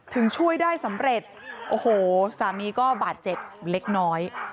ช่วยได้สำเร็จโอ้โหสามีก็บาดเจ็บเล็กน้อย